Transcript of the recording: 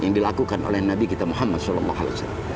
yang dilakukan oleh nabi kita muhammad saw